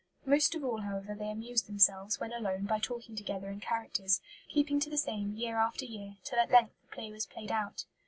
Most of all, however, they amused themselves, when alone, by talking together in characters, keeping to the same year after year, till at length the play was played out.